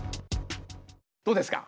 どうですか？